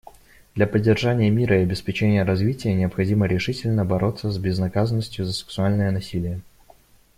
Для поддержания мира и обеспечения развития необходимо решительно бороться с безнаказанностью за сексуальное насилие.